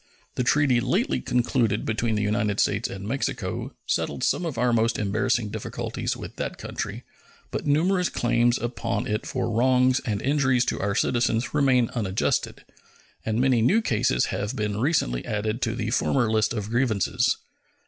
The treaty lately concluded between the United States and Mexico settled some of our most embarrassing difficulties with that country, but numerous claims upon it for wrongs and injuries to our citizens remained unadjusted, and many new cases have been recently added to the former list of grievances.